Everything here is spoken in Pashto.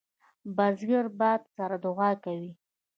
بزګر له باد سره دعا کوي